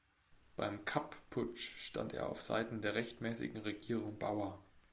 Beim Kapp-Putsch stand er auf Seiten der rechtmäßigen Regierung Bauer.